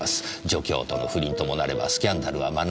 助教との不倫ともなればスキャンダルは免れません。